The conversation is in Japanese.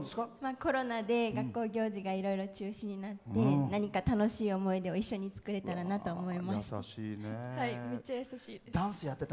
コロナで学校行事がいろいろ中止になって何か楽しい思い出を一緒に作れたらなと思いました。